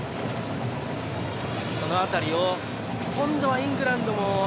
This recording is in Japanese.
その辺りを今度はイングランドも。